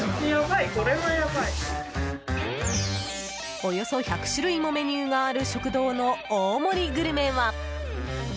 およそ１００種類もメニューがある食堂の大盛りグルメは。